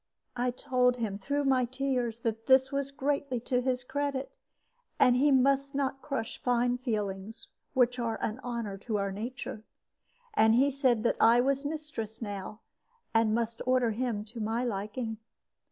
I told him, through my tears, that this was greatly to his credit, and he must not crush fine feelings, which are an honor to our nature. And he said that I was mistress now, and must order him to my liking.